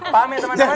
paham ya teman teman